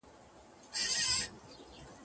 ته جرس په خوب وینه او سر دي ښوروه ورته